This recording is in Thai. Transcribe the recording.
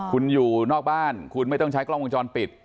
คุณอยู่นอกบ้านคุณไม่ต้องใช้กล้องวงจรปิด